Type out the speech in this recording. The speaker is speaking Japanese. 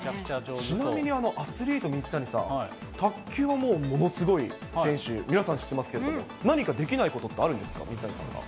ちなみにアスリートの水谷さん、卓球はもう、ものすごい選手、皆さん知ってますけれども、何かできないことってあるんですか、水谷さんが。